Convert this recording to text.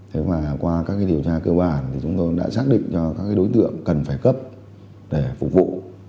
thế mà qua các cái điều tra cơ bản thì chúng tôi đã xác định cho các cái đối tượng cần phải cấp để phục vụ